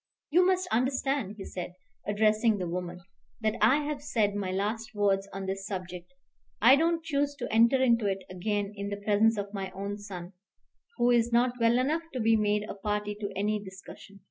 "You must understand," he said, addressing the woman, "that I have said my last words on this subject. I don't choose to enter into it again in the presence of my son, who is not well enough to be made a party to any discussion.